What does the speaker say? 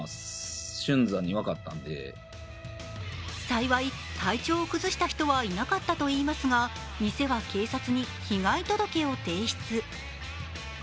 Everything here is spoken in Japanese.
幸い、体調を崩した人はいなかったといいますが店は警察に被害届を提出。